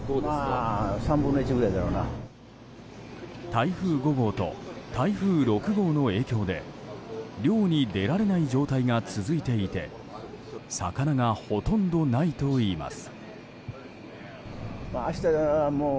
台風５号と台風６号の影響で漁に出られない状態が続いていて魚がほとんどないといいます。